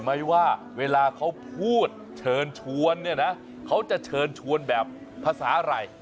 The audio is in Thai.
ไหมว่าเวลาเขาพูดเชิญชวนเนี่ยนะเขาจะเชิญชวนแบบภาษาอะไร